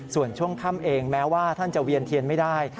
ส่วนช่วงค่ำเองแม้ว่าท่านจะเวียนเทียนไม่ได้